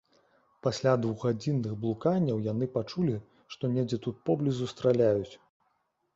Пасля двухгадзінных блуканняў яны пачулі, што недзе тут поблізу страляюць.